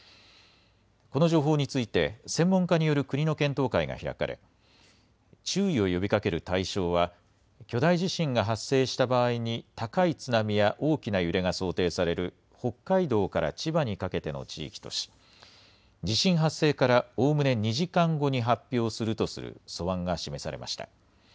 この情報について、専門家による国の検討会が開かれ、注意を呼びかける対象は、巨大地震が発生した場合に、高い津波や大きな揺れが想定される北海道から千葉にかけての地域とし、地震発生からおおむね２時間後に発表するとする素案が示されました。